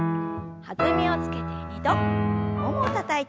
弾みをつけて２度ももをたたいて。